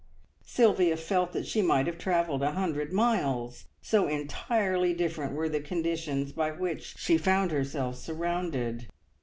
Sylvia felt that she might have travelled a hundred miles, so entirely different were the conditions by which she found herself surrounded.